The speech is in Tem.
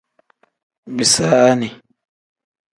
Bisaani.